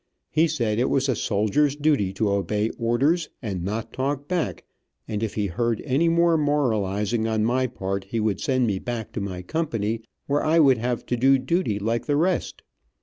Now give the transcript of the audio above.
He said it was a soldier's duty to obey orders and not talk back, and if he heard any more moralizing on my part he would send me back to my company, where I would have to do duty like the rest.